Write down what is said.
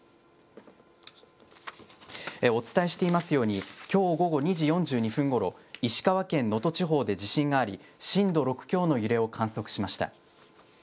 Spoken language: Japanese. お伝えしていますように、きょう午後２時４２分ごろ、石川県能登地方で地震があり、震度６強の揺れを観測しました。